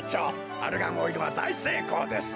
アルガンオイルはだいせいこうですな。